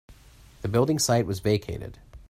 The building site was vacated.